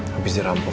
habis dia rampok